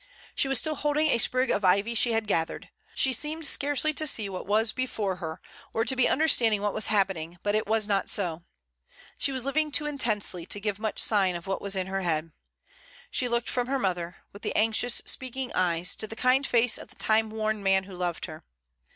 She was still holding a sprig of ivy she had gathered. She seemed scarcely to see what was before her, or 124 MRS. DYMOND. to be understanding what was happening; but it was not so. She was living too intensely to give much sign of what was in her mind. She looked from her mother, with the anxious, speaking eyes, to the kind face of the time worn man who loved her.